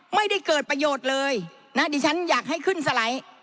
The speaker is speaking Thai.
ไม่ได้เกิดประโยชน์เลยนะดิฉันอยากให้ขึ้นสไลด์